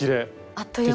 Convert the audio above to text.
あっという間に。